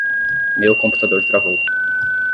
Meu computador travou.